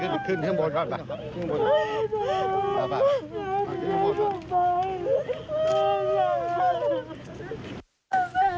พูดคุยเดี๋ยวพูดอย่างนั้น